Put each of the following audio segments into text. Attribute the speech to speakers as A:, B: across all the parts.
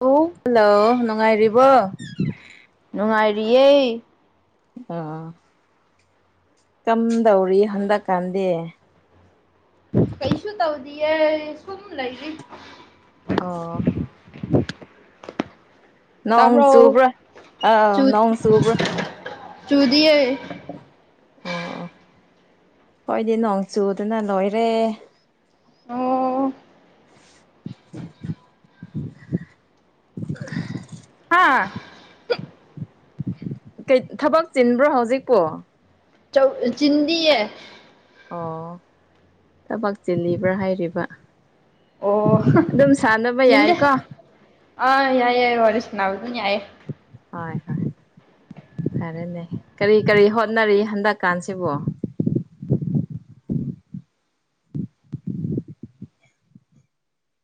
A: ꯑꯣ
B: ꯍꯜꯂꯣ ꯅꯨꯡꯉꯥꯏꯔꯤꯕꯣ
A: ꯅꯨꯡꯉꯥꯏꯔꯤꯌꯦ
B: ꯑꯥ ꯀꯝꯗꯧꯔꯤ ꯍꯟꯗꯛꯀꯥꯟꯗꯤ
A: ꯀꯩꯁꯨꯛ ꯇꯧꯗꯤꯌꯦ ꯁꯨꯝ ꯂꯩ
B: ꯑꯣ ꯅꯣꯡ
A: ꯇꯥꯕꯔꯣ
B: ꯆꯨꯕ꯭ꯔꯥ ꯑꯥꯎ
A: ꯆꯨ
B: ꯅꯣꯡ ꯆꯨꯕ꯭ꯔꯥ
A: ꯆꯨꯗꯤꯌꯦ
B: ꯑꯣ ꯑꯣ ꯈꯣꯏꯗꯤ ꯅꯣꯡ ꯆꯨꯗꯥꯅ ꯂꯣꯏꯔꯦ
A: ꯑꯣ ꯍꯥꯥ
B: ꯊꯕꯛ ꯆꯤꯟꯕ꯭ꯔꯣ ꯍꯧꯖꯤꯛꯄꯨ
A: ꯆꯧ ꯆꯤꯟꯗꯤ ꯑꯦ
B: ꯑꯣ ꯊꯕꯛ ꯆꯤꯜꯂꯤꯕ꯭ꯔꯥ ꯍꯥꯏꯔꯤꯕ
A: ꯑꯣ
B: ꯑꯗꯨꯝ ꯁꯥꯟꯅꯕ
A: ꯆꯤꯟꯗꯦ
B: ꯌꯥꯏꯀꯣ
A: ꯑꯥ ꯌꯥꯏ ꯌꯥꯏ ꯋꯥꯔꯤ ꯁꯅꯥꯕ ꯗꯨꯝ ꯌꯥꯏ
B: ꯍꯣꯏ ꯍꯣꯏ ꯐꯔꯦꯅꯦ ꯀꯔꯤ ꯀꯔꯤ ꯍꯣꯠꯅꯔꯤ ꯍꯟꯗꯛꯀꯥꯟꯁꯤꯕꯨ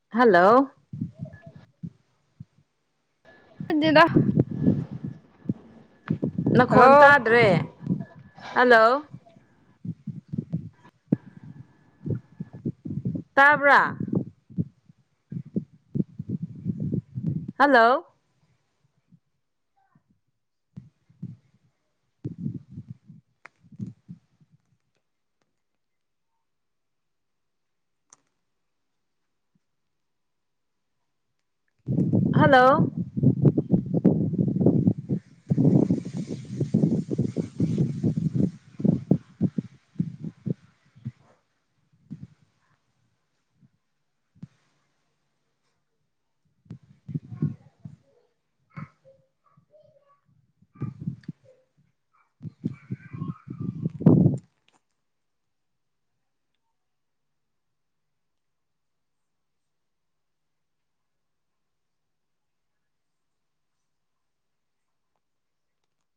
B: ꯍꯜꯂꯣ
A: [unintelligible]
B: ꯅꯈꯣꯟ
A: ꯍꯜꯂꯣ
B: ꯇꯥꯗ꯭ꯔꯦ ꯍꯜꯂꯣ ꯇꯥꯕ꯭ꯔꯥ ꯍꯜꯂꯣ ꯍꯥꯜꯂꯣ